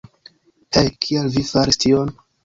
Hej, kial vi faris tion?